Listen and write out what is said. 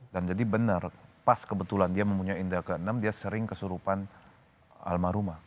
dan jadi benar pas kebetulan dia mempunyai indra kenam dia sering kesurupan almarhumah